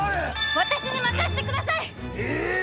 私に任せてください！ええーっ！